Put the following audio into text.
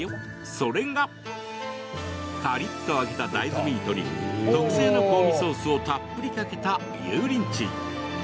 それがカリっと揚げた大豆ミートに特製の香味ソースをたっぷりかけた油淋鶏。